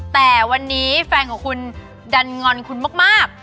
แต่วันนี้แฟนของคุณดันงอนคุณมาก